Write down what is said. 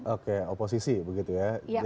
oke oposisi begitu ya